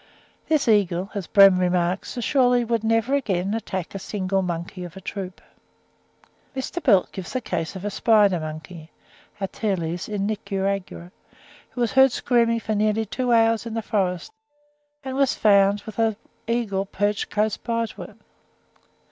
This eagle, as Brehm remarks, assuredly would never again attack a single monkey of a troop. (10. Mr. Belt gives the case of a spider monkey (Ateles) in Nicaragua, which was heard screaming for nearly two hours in the forest, and was found with an eagle perched close by it.